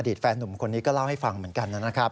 แฟนหนุ่มคนนี้ก็เล่าให้ฟังเหมือนกันนะครับ